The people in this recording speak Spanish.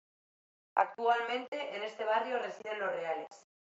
Actualmente en este barrio residen los reales.